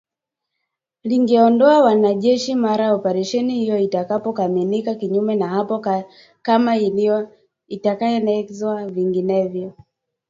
lingeondoa wanajeshi mara operesheni hiyo itakapokamilika kinyume na hapo kama itaelekezwa vinginevyo